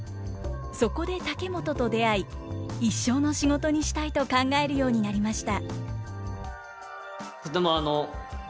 そこで竹本と出会い一生の仕事にしたいと考えるようになりました。